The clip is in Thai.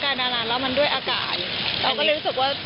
คือตื่นเช้าด้วยแล้วก็ยังไม่ได้ทานข้าว